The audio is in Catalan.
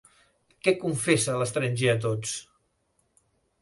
Què confessa l'estranger a tots?